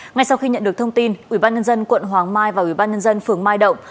ngay sau khi nhận được thông tin ủy ban nhân dân quận hoàng mai và ủy ban nhân dân phường mai động